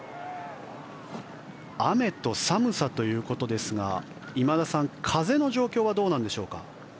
雨と寒さということですが今田さん風の状況はどうなんでしょうか。